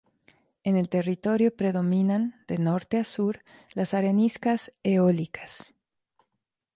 En el territorio predominan, de norte a sur, las areniscas eólicas.